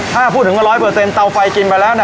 ถ้าพูดถึงว่า๑๐๐เตาไฟกินไปแล้วนะ